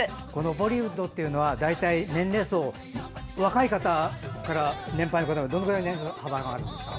ボリウッドというのは大体、年齢層若い方から年配の方どれぐらいの年齢幅があるんですか。